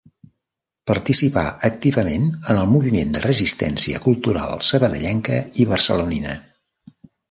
Participà activament en el moviment de resistència cultural sabadellenca i barcelonina.